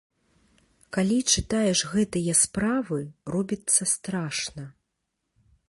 Калі чытаеш гэтыя справы, робіцца страшна.